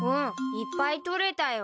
いっぱいとれたよ。